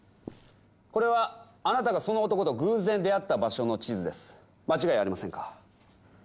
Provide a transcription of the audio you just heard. これはあなたがその男と偶然出会った場所の地図です間違いありませんか？